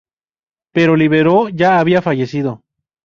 Pero Líbero ya había fallecido.